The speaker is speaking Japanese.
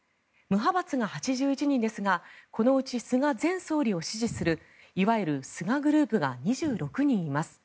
無派閥が８１人ですがこのうち菅前総理を支持するいわゆる菅グループが２６人います。